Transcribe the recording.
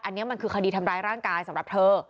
อันนี้มันคือคดีทำร้ายร่างกายสำหรับเธอ